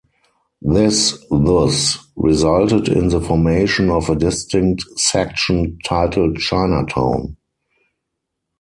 This thus resulted in the formation of a distinct section titled Chinatown.